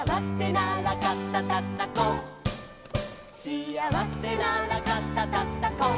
「しあわせなら肩たたこう」「」